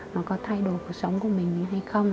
nó có thay đổi cuộc sống của mình hay không